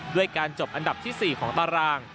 ด้วยการจบอันดับที่๔ของตาราง